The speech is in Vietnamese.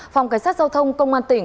phòng cảnh sát giao thông công an tỉnh